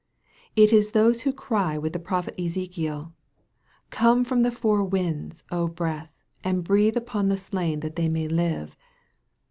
It is those who cry with the prophet Ezekiel, " Come from the four winds, breath, and breathe upon these slain that they may live."